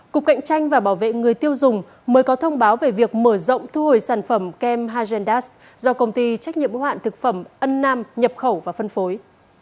cục cạnh tranh và bảo vệ người tiêu dùng mới có thông báo về việc mở rộng thu hồi sản phẩm kem hazendas do công ty trách nhiệm ưu hạn thực phẩm ân nam nhập khẩu và phân phối